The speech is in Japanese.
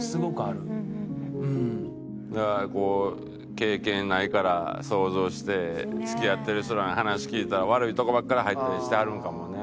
経験ないから想像して付き合ってる人らの話聞いたら悪いとこばっかり入ったりしてはるんかもね。